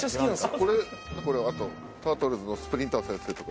これあと『タートルズ』のスプリンター先生とか。